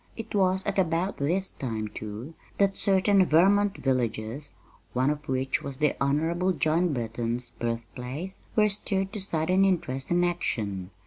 It was at about this time, too, that certain Vermont villages one of which was the Honorable John Burton's birthplace were stirred to sudden interest and action.